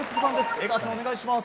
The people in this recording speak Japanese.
江川さん、お願いします。